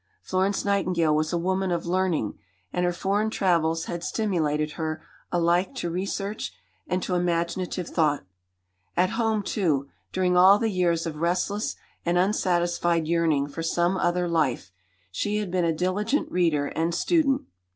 Florence Nightingale was a woman of learning, and her foreign travels had stimulated her alike to research and to imaginative thought. At home, too, during all the years of restless and unsatisfied yearning for some other life, she had been a diligent reader and student.